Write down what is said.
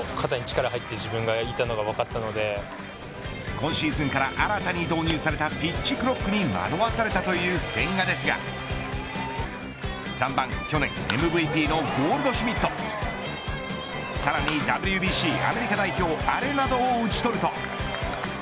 今シーズンから新たに導入されたピッチクロックに惑わされたという千賀ですが３番、去年ＭＶＰのゴールドシュミットさらにＷＢＣアメリカ代表アレナドを打ち取ると。